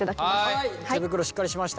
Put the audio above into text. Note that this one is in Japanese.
はい手袋しっかりしました。